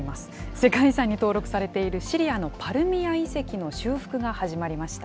世界遺産に登録されているシリアのパルミラ遺跡の修復が始まりました。